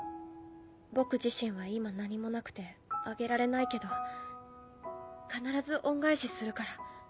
僕自身は今何もなくてあげられないけど必ず恩返しするから。